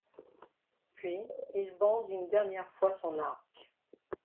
Puis il bande une dernière fois son arc.